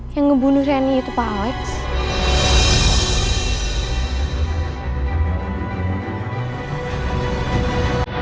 yang ngebunuh reni itu pak alex